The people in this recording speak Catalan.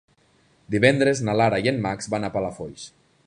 Divendres na Lara i en Max van a Palafolls.